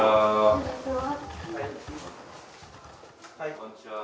こんにちは。